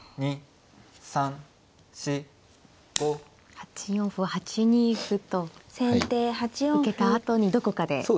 ８四歩は８二歩と受けたあとにどこかで。